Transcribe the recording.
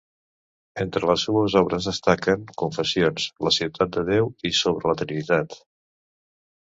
Entre les seues obres destaquen "Confessions", "La ciutat de Déu" i "Sobre la Trinitat".